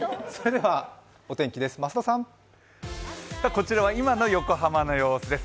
こちらは今の横浜の様子です。